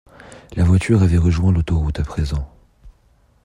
La voiture avait rejoint l’autoroute à présent.